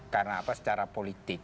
karena apa secara politik